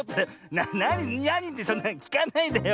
なにってそんなきかないでよ。